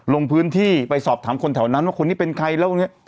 ลงพื้นที่ไปสอบถามคนแถวนั้นว่าคนนี้เป็นใคร